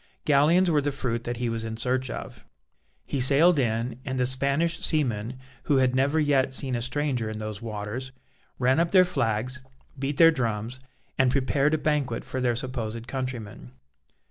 Galleons were the fruit that he was in search of. He sailed in, and the Spanish seamen, who had never yet seen a stranger in those waters, ran up their flags, beat their drums, and prepared a banquet for their supposed countrymen.